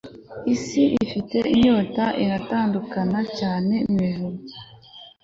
isi ifite inyota iratandukana cyane mwijuru